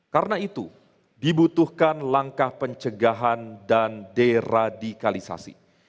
karena itu dibutuhkan langkah pencegahan dan deradikalisasi